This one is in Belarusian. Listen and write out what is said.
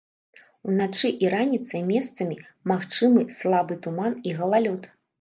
Уначы і раніцай месцамі магчымы слабы туман і галалёд.